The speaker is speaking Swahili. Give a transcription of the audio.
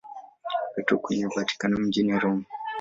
Petro kwenye Vatikano mjini Roma.